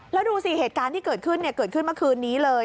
แล้วดูสิเหตุการณ์ที่เกิดขึ้นเกิดขึ้นเมื่อคืนนี้เลย